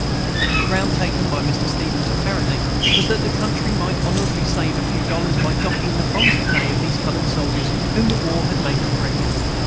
The ground taken by Mr. Stevens apparently was that the country might honorably save a few dollars by docking the promised pay of those colored soldiers whom the war had made free.